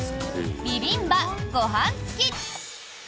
「ビビンバごはん付き」。